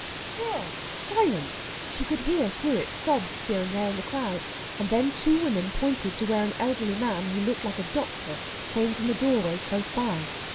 Still silence! She could hear through it sobs here and there in the crowd, and then two women pointed to where an elderly man who looked like a doctor came from a doorway close by.